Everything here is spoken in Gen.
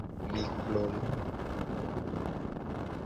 Mi kplo nu.